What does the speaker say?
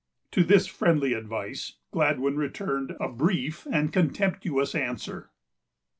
To this friendly advice Gladwyn returned a brief and contemptuous answer.